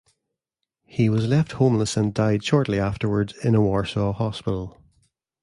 He was left homeless and died shortly afterwards in a Warsaw hospital.